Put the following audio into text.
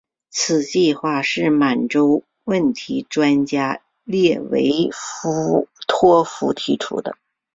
此计划是满洲问题专家列维托夫提出的。